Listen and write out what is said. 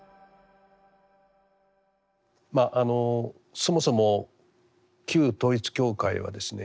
そもそも旧統一教会はですね